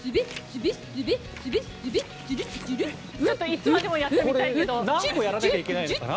いつまでもやっていたいけど。